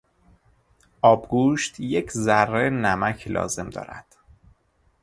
آبگوشت یک ذره نمک لازم دارد.